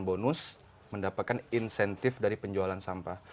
bonus mendapatkan insentif dari penjualan sampah